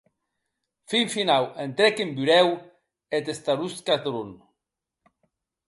Fin finau, entrèc en burèu eth staroska Dron.